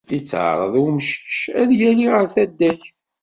Yettεaraḍ umcic ad yali ɣer taddagt.